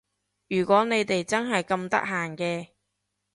如果你哋真係咁得閒嘅